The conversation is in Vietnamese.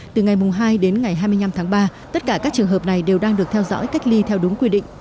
từ ngày hai đến ngày hai mươi năm tháng ba tất cả các trường hợp này đều đang được theo dõi cách ly theo đúng quy định